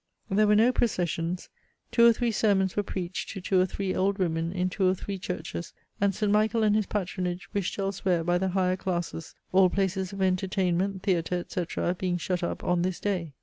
There were no processions, two or three sermons were preached to two or three old women in two or three churches, and St. Michael and his patronage wished elsewhere by the higher classes, all places of entertainment, theatre, etc. being shut up on this day.